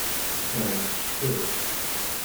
Ahat tecfiḍ.